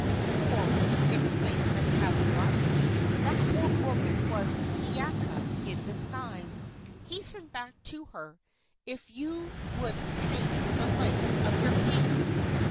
"Fool!" exclaimed the kaula. "That old woman was Hiiaka in disguise. Hasten back to her, if you would save the life of your king!"